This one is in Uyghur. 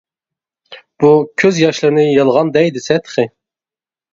بۇ كۆز ياشلىرىنى يالغان دەي دېسە تېخى.